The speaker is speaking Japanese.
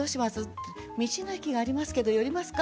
道の駅がありますけど寄りますか？